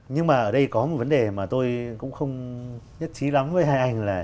nhưng mà ở đây có một vấn đề mà tôi cũng không nhất trí lắm với hai anh là